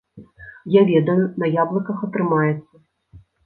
Я ведаю, на яблыках атрымаецца.